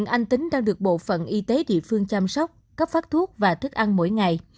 anh tính đang được bộ phận y tế địa phương chăm sóc cấp phát thuốc và thức ăn mỗi ngày